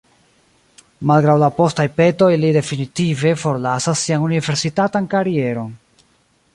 Malgraŭ la postaj petoj, li definitive forlasas sian universitatan karieron.